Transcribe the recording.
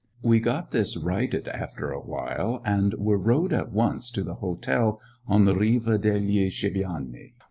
We got this righted after a while, and were rowed at once to the hotel on the Riva degli Schiavoni where M.